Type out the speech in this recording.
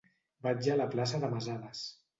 Vaig a la plaça de Masadas.